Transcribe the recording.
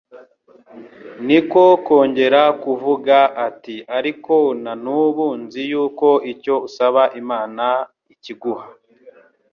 niko kongera kuvuga, ati: "ariko na n'ubu nzi yuko icyo usaba Imana ikiguha."